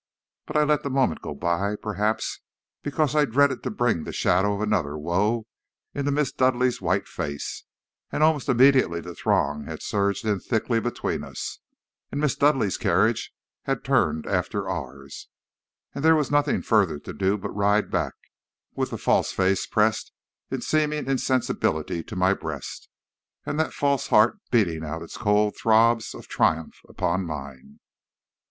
But I let the moment go by, perhaps because I dreaded to bring the shadow of another woe into Miss Dudleigh's white face, and almost immediately the throng had surged in thickly between us, and Miss Dudleigh's carriage had turned after ours, and there was nothing further to do but to ride back, with the false face pressed in seeming insensibility to my breast, and that false heart beating out its cold throbs of triumph upon mine.